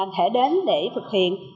thể đến để thực hiện